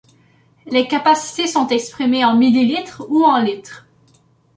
Les capacités sont exprimées en millilitres ou en litres.